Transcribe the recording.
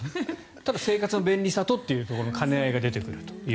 ただ、生活の便利さとの兼ね合いが出てくると。